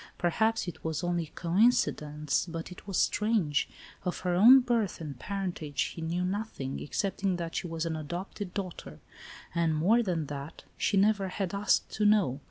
Perhaps it was only a coincidence, but it was strange. Of her own birth and parentage she knew nothing, excepting that she was an adopted daughter, and more than that 100 ALICE ; OR, THE WAGES OF SIN. she never had asked to know.